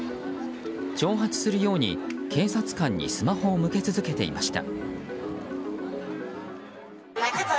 挑発するように、警察官にスマホを向け続けていました。